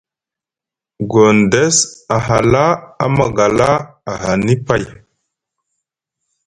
Gondes a hala a magala ahani pay.